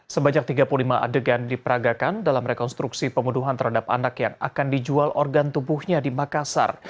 sebanyak tiga puluh lima adegan diperagakan dalam rekonstruksi pemuduhan terhadap anak yang akan dijual organ tubuhnya di makassar